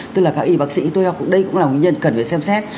tức là các y bác sĩ tôi đây cũng là nguyên nhân cần phải xem xét